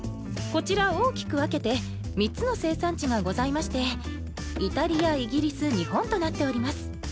こちら大きく分けて３つの生産地がございましてイタリアイギリス日本となっております。